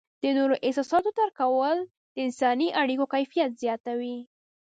د نورو د احساساتو درک کول د انسانی اړیکو کیفیت زیاتوي.